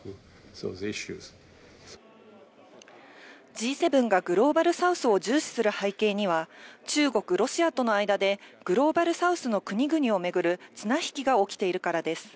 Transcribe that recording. Ｇ７がグローバルサウスを重視する背景には、中国、ロシアとの間でグローバルサウスの国々を巡る綱引きが起きているからです。